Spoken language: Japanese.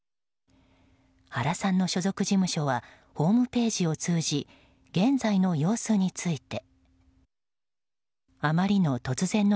原さんの所属事務所はホームページを通じ現在の様子について。